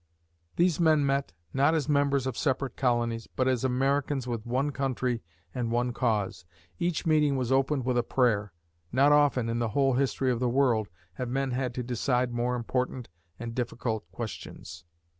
These men met, not as members of separate colonies, but as Americans with one country and one cause. Each meeting was opened with a prayer. Not often, in the whole history of the world, have men had to decide more important and difficult questions.